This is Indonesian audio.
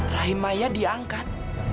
rahim maya diangkat